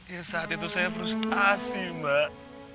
ya saat itu saya frustasi mbak